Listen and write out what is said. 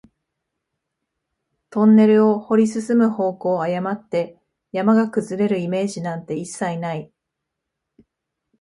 トンネルを掘り進む方向を誤って、山が崩れるイメージなんて一切ない